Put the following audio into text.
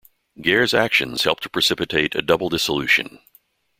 Gair's actions helped to precipitate a double dissolution.